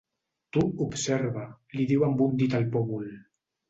Tu observa —li diu amb un dit al pòmul.